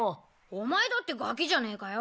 お前だってガキじゃねぇかよ。